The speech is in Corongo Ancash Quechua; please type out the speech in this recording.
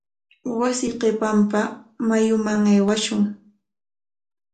Wasi qipanpa mayuman aywashun.